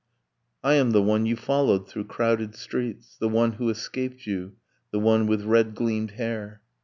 'I am the one you followed through crowded streets, The one who escaped you, the one with red gleamed hair.'